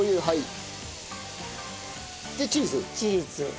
はい。